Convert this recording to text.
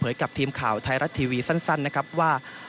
กับทีมข่าวไทยรัฐทีวีสั้นนะครับว่า